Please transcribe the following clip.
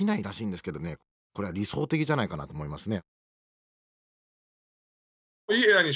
これは理想的じゃないかなと思いますね。